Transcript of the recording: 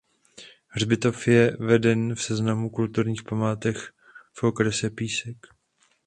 Hřbitov je vedený v Seznamu kulturních památek v okrese Písek.